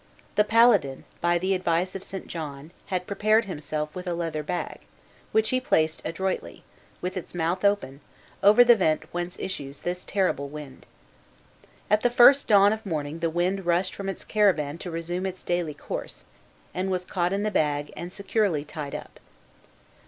The paladin, by the advice of St. John, had prepared himself with a leather bag, which he placed adroitly, with its mouth open, over the vent whence issues this terrible wind. At the first dawn of morning the wind rushed from its cavern to resume its daily course, and was caught in the bag, and securely tied up.